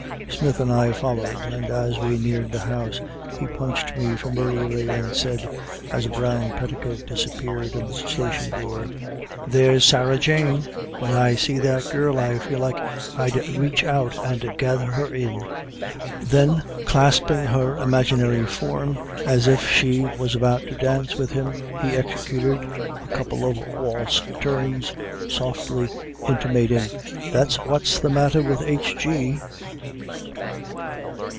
Smith and I followed, and as we neared the house he punched me familiarly and said, as a brown petticoat disappeared in the station door, "There's Sarah Jane! When I see that girl I feel like I'd reach out and gather her in;" then clasping her imaginary form as if she was about to dance with him, he executed a couple of waltz turns, softly intimating, "That's what's the matter with H. G."